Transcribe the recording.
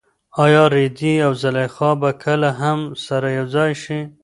ایا رېدی او زلیخا به کله هم سره یوځای شي؟